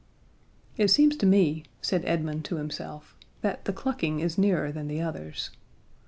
"It seems to me," said Edmund to himself, "that the clucking is nearer than the others."